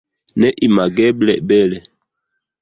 Neimageble bele.